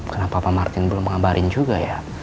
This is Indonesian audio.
kenapa papa martin belum ngabarin juga ya